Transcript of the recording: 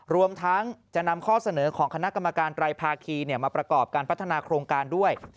รวมทั้งจะนำข้อเสนอของคณะกรรมการไตรภาคีมาประกอบการพัฒนาโครงการด้วย